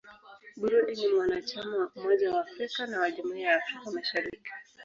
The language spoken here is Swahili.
Burundi ni mwanachama wa Umoja wa Afrika na wa Jumuiya ya Afrika Mashariki.